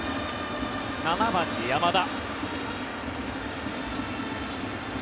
７番に山田。